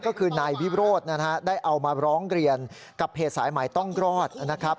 ก็คือนายวิโรธนะฮะได้เอามาร้องเรียนกับเพจสายใหม่ต้องรอดนะครับ